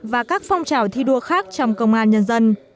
và các phong trào thi đua khác trong công an nhân dân